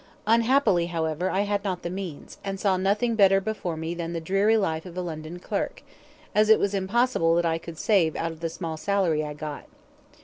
Unhappily, however, I had not the means, and saw nothing better before me than the dreary life of a London clerk, as it was impossible that I could save out of the small salary I got.